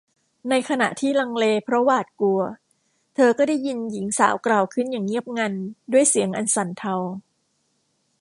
ในขณะที่ลังเลเพราะหวาดกลัวเธอก็ได้ยินหญิงสาวกล่าวขึ้นอย่างเงียบงัน ด้วยเสียงอันสั่นเทา